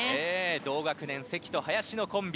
同学年、関と林のコンビ。